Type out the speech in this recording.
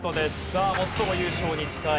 さあ最も優勝に近い。